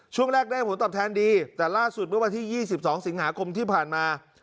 ช่วงแรกได้ผลตอบแทนดีแต่ล่าสุดเมื่อวันที่๒๒สิงหาคมที่ผ่านมา